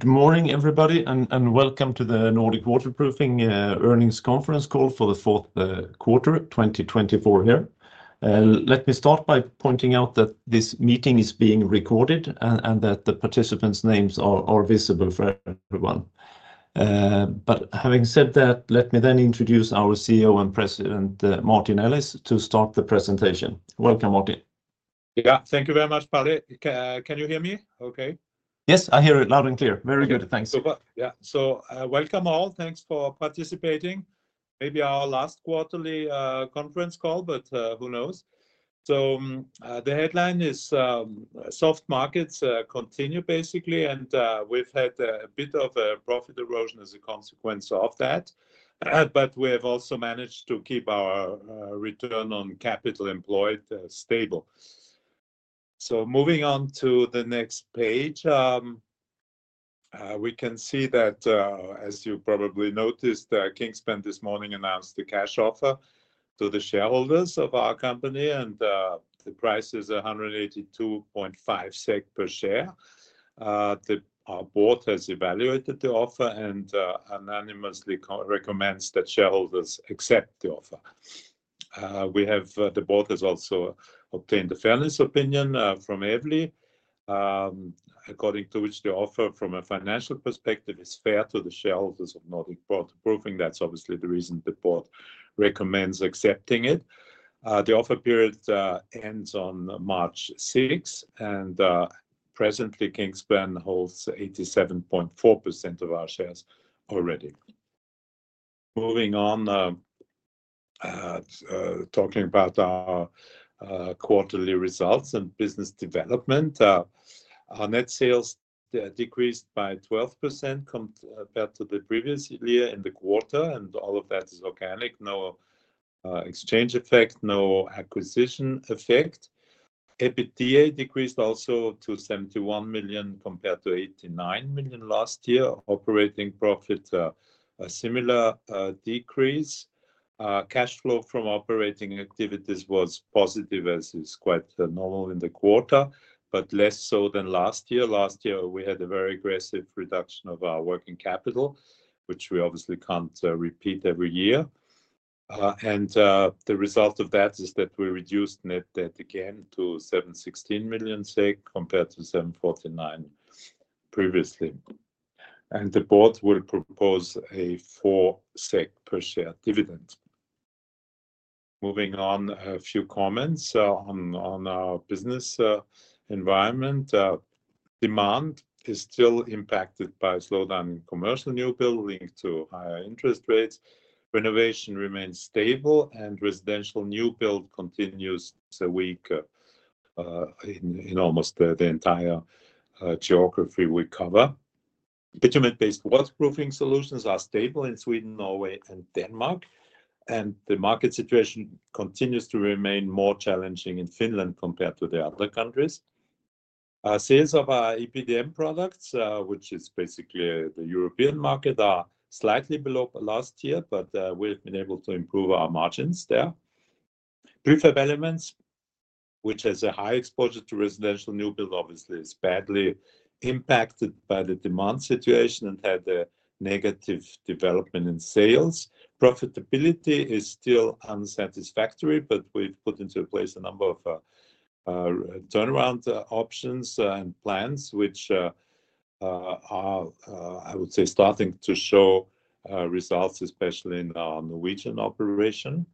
Good morning, everybody, and welcome to the Nordic Waterproofing earnings conference call for the fourth quarter of 2024 here. Let me start by pointing out that this meeting is being recorded and that the participants' names are visible for everyone. But having said that, let me then introduce our CEO and President, Martin Ellis, to start the presentation. Welcome, Martin. Yeah, thank you very much, Palle. Can you hear me okay? Yes, I hear it loud and clear. Very good, thanks. Yeah, so welcome all. Thanks for participating. Maybe our last quarterly conference call, but who knows? So the headline is, "Soft markets continue," basically, and we've had a bit of a profit erosion as a consequence of that. But we have also managed to keep our return on capital employed stable. So moving on to the next page, we can see that, as you probably noticed, Kingspan this morning announced a cash offer to the shareholders of our company, and the price is 182.50 SEK per share. The board has evaluated the offer and unanimously recommends that shareholders accept the offer. The board has also obtained a fairness opinion from Evli, according to which the offer, from a financial perspective, is fair to the shareholders of Nordic Waterproofing. That's obviously the reason the board recommends accepting it. The offer period ends on March 6, and presently, Kingspan holds 87.4% of our shares already. Moving on, talking about our quarterly results and business development, our net sales decreased by 12% compared to the previous year in the quarter, and all of that is organic. No exchange effect, no acquisition effect. EBITDA decreased also to 71 million compared to 89 million last year. Operating profit is a similar decrease. Cash flow from operating activities was positive, as is quite normal in the quarter, but less so than last year. Last year, we had a very aggressive reduction of our working capital, which we obviously can't repeat every year. And the result of that is that we reduced net debt again to 716 million SEK compared to 749 million previously. And the board will propose a 4% per share dividend. Moving on, a few comments on our business environment. Demand is still impacted by slowdown in commercial new buildings linked to higher interest rates. Renovation remains stable, and residential new build continues weak in almost the entire geography we cover. Bitumen-based waterproofing solutions are stable in Sweden, Norway, and Denmark, and the market situation continues to remain more challenging in Finland compared to the other countries. Sales of our EPDM products, which is basically the European market, are slightly below last year, but we've been able to improve our margins there. Prefab elements, which has a high exposure to residential new build, obviously is badly impacted by the demand situation and had a negative development in sales. Profitability is still unsatisfactory, but we've put into place a number of turnaround options and plans, which are, I would say, starting to show results, especially in our Norwegian operation,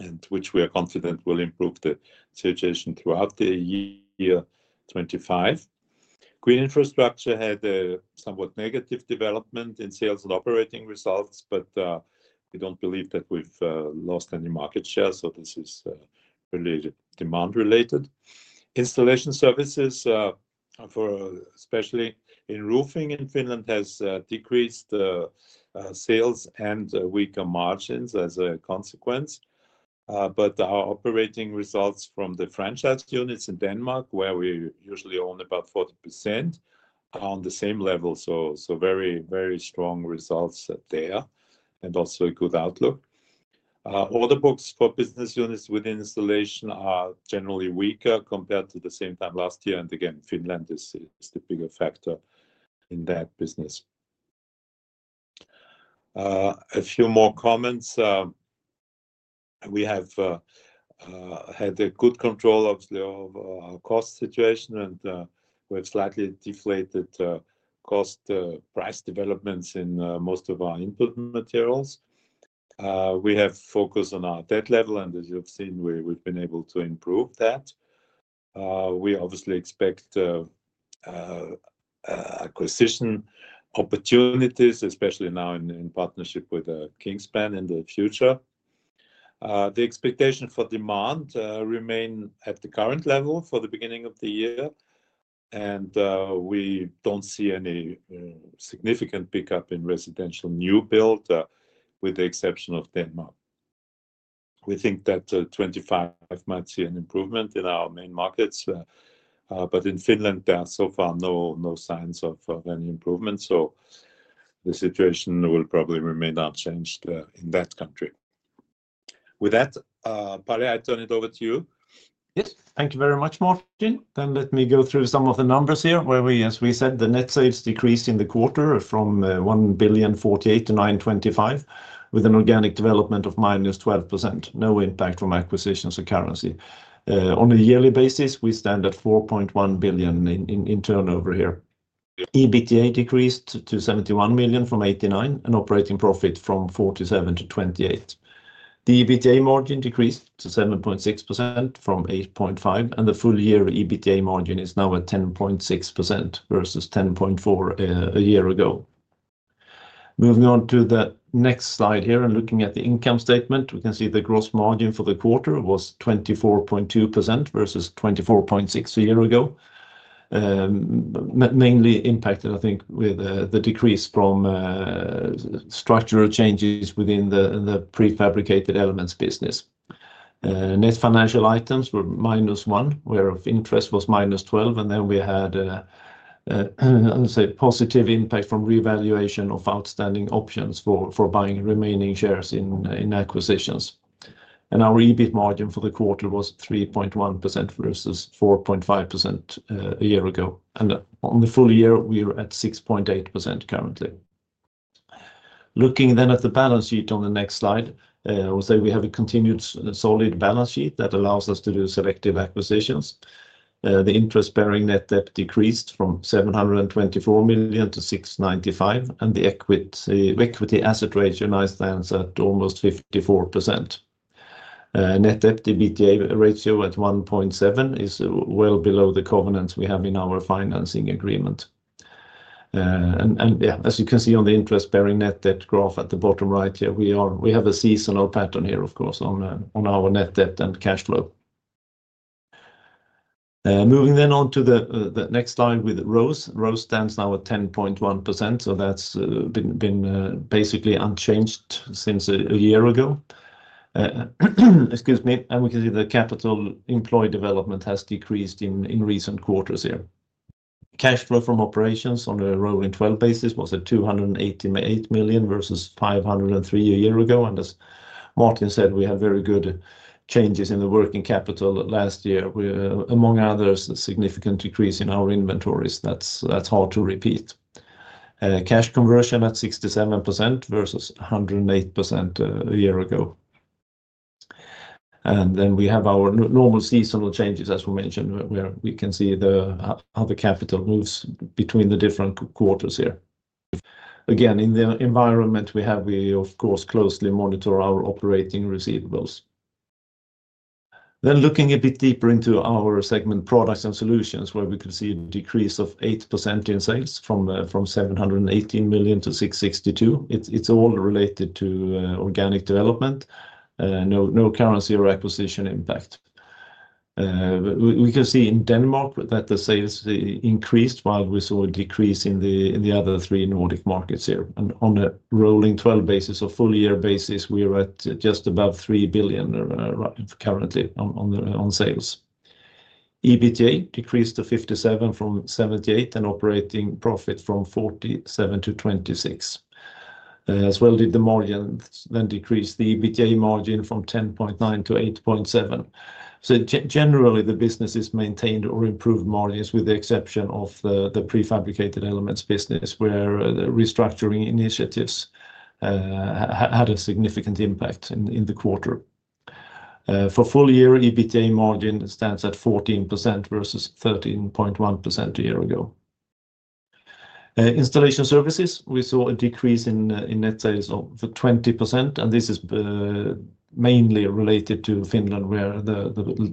and which we are confident will improve the situation throughout the year 2025. Green Infrastructure had a somewhat negative development in sales and operating results, but we don't believe that we've lost any market share, so this is really demand-related. Installation Services, especially in roofing in Finland, have decreased sales and weaker margins as a consequence. But our operating results from the franchise units in Denmark, where we usually own about 40%, are on the same level, so very, very strong results there and also a good outlook. Order books for business units with installation are generally weaker compared to the same time last year, and again, Finland is the bigger factor in that business. A few more comments. We have had good control, obviously, of our cost situation, and we've slightly deflated cost price developments in most of our input materials. We have focused on our debt level, and as you've seen, we've been able to improve that. We obviously expect acquisition opportunities, especially now in partnership with Kingspan in the future. The expectation for demand remains at the current level for the beginning of the year, and we don't see any significant pickup in residential new build with the exception of Denmark. We think that 2025 might see an improvement in our main markets, but in Finland, there are so far no signs of any improvement, so the situation will probably remain unchanged in that country. With that, Palle, I turn it over to you. Yes, thank you very much, Martin. Then let me go through some of the numbers here, where we, as we said, the net sales decreased in the quarter from 1.048 billion-925 million, with an organic development of -12%. No impact from acquisitions or currency. On a yearly basis, we stand at 4.1 billion in turnover here. EBITDA decreased to 71 million from 89 million, and operating profit from 47 million-28 million. The EBITDA margin decreased to 7.6% from 8.5%, and the full year EBITDA margin is now at 10.6% versus 10.4% a year ago. Moving on to the next slide here and looking at the income statement, we can see the gross margin for the quarter was 24.2% versus 24.6% a year ago, mainly impacted, I think, with the decrease from structural changes within the Prefabricated Elements business. Net financial items were -1 million, where interest was -12 million, and then we had, I would say, positive impact from revaluation of outstanding options for buying remaining shares in acquisitions. Our EBIT margin for the quarter was 3.1% versus 4.5% a year ago, and on the full year, we are at 6.8% currently. Looking then at the balance sheet on the next slide, I would say we have a continued solid balance sheet that allows us to do selective acquisitions. The interest-bearing net debt decreased from 724 million-695 million, and the equity/asset ratio now stands at almost 54%. Net debt to EBITDA ratio at 1.7 is well below the covenants we have in our financing agreement. Yeah, as you can see on the interest-bearing net debt graph at the bottom right here, we have a seasonal pattern here, of course, on our net debt and cash flow. Moving then on to the next slide with ROCE. ROCE stands now at 10.1%, so that's been basically unchanged since a year ago. Excuse me, and we can see the capital employed development has decreased in recent quarters here. Cash flow from operations on a rolling 12 basis was at 288 million versus 503 million a year ago, and as Martin said, we had very good changes in the working capital last year, among others, a significant decrease in our inventories. That's hard to repeat. Cash conversion at 67% versus 108% a year ago. Then we have our normal seasonal changes, as we mentioned, where we can see how the capital moves between the different quarters here. Again, in the environment we have, we, of course, closely monitor our operating receivables. Then looking a bit deeper into our segment, Products and Solutions, where we can see a decrease of 8% in sales from 718 million to 662 million. It's all related to organic development, no currency or acquisition impact. We can see in Denmark that the sales increased while we saw a decrease in the other three Nordic markets here. On a rolling 12 basis or full year basis, we are at just above 3 billion currently on sales. EBITDA decreased to 57 million from 78 million and operating profit from 47 million-26 million. As well did the margins, then decreased the EBITDA margin from 10.9%-8.7%. Generally, the business has maintained or improved margins with the exception of the Prefabricated Elements business, where restructuring initiatives had a significant impact in the quarter. For full year, EBITDA margin stands at 14% versus 13.1% a year ago. Installation Services, we saw a decrease in net sales of 20%, and this is mainly related to Finland, where the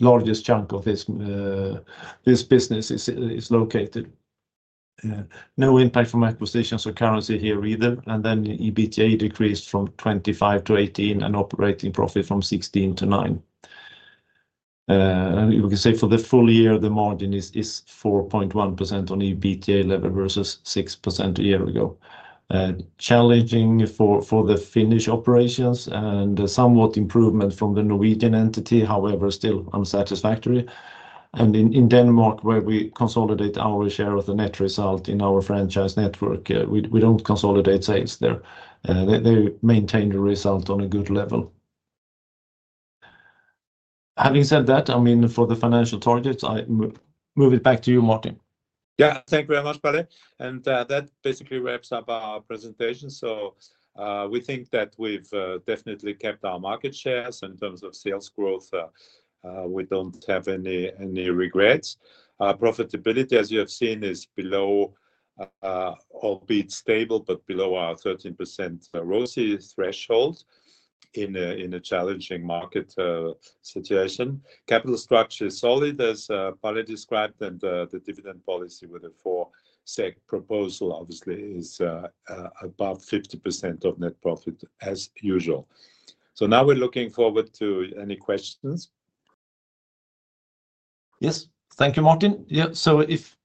largest chunk of this business is located. No impact from acquisitions or currency here either, and then EBITDA decreased from 25-18 and operating profit from 16-9. We can say for the full year, the margin is 4.1% on EBITDA level versus 6% a year ago. Challenging for the Finnish operations and somewhat improvement from the Norwegian entity, however, still unsatisfactory. In Denmark, where we consolidate our share of the net result in our franchise network, we don't consolidate sales there. They maintain the result on a good level. Having said that, I mean, for the financial targets, I move it back to you, Martin. Yeah, thank you very much, Palle. And that basically wraps up our presentation. So we think that we've definitely kept our market shares in terms of sales growth. We don't have any regrets. Profitability, as you have seen, is below, albeit stable, but below our 13% ROCE threshold in a challenging market situation. Capital structure is solid, as Palle described, and the dividend policy with a 4% proposal, obviously, is above 50% of net profit as usual. So now we're looking forward to any questions. Yes, thank you, Martin. Yeah, so if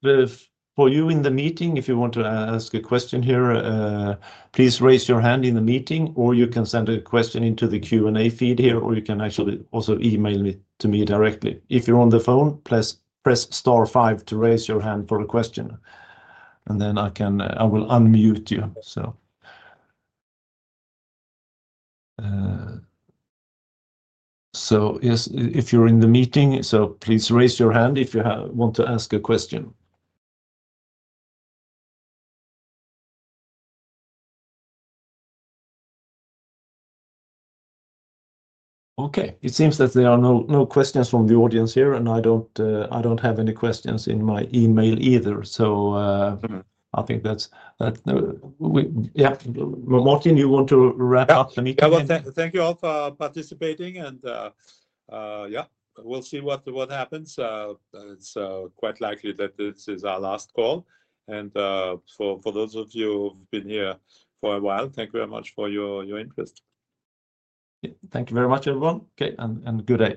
for you in the meeting, if you want to ask a question here, please raise your hand in the meeting, or you can send a question into the Q&A feed here, or you can actually also email to me directly. If you're on the phone, press star five to raise your hand for a question, and then I will unmute you. So yes, if you're in the meeting, please raise your hand if you want to ask a question. Okay, it seems that there are no questions from the audience here, and I don't have any questions in my email either, so I think that's yeah, Martin, you want to wrap up the meeting? Thank you all for participating, and yeah, we'll see what happens. It's quite likely that this is our last call, and for those of you who've been here for a while, thank you very much for your interest. Thank you very much, everyone. Okay, and good day.